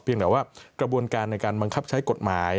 แบบว่ากระบวนการในการบังคับใช้กฎหมาย